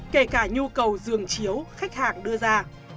kể cả nhu cầu giường chiếu khách hàng đưa ra